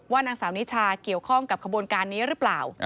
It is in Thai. นางสาวนิชาเกี่ยวข้องกับขบวนการนี้หรือเปล่า